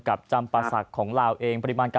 กับจำปหศกของลาวเอง